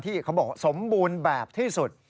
เขาบอกสมบูรณ์แบบที่สุด